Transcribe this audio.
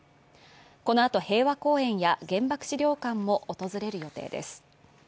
このあと平和公園や原爆資料館も訪れる予定です。